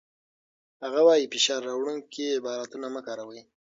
هغه وايي، فشار راوړونکي عبارتونه مه کاروئ.